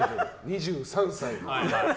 ２３歳の。